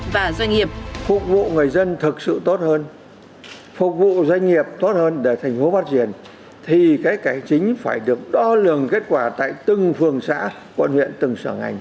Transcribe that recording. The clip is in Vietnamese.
vì cái chính phải được đo lường kết quả tại từng phường xã quận viện từng sở ngành